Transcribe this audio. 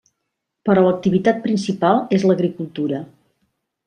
Però l'activitat principal és l'agricultura.